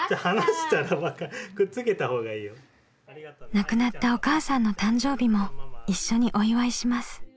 亡くなったお母さんの誕生日も一緒にお祝いします。